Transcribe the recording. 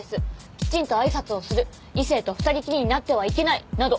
きちんとあいさつをする異性と２人きりになってはいけないなど。